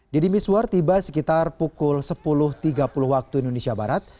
deddy miswar tiba sekitar pukul sepuluh tiga puluh waktu indonesia barat